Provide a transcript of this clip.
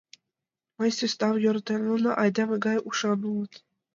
Мый сӧснам йӧратем: нуно айдеме гай ушан улыт.